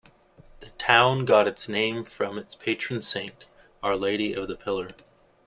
The town got its name from its patron saint, Our Lady of the Pillar.